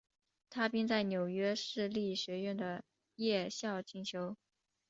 他并在纽约市立学院的夜校进修。